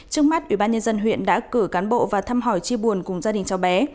trước mắt ubnd huyện đã cử cán bộ và thăm hỏi chia buồn cùng gia đình cháu bé